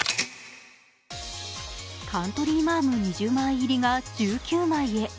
カントリーマアム２０枚入りが１９枚へ。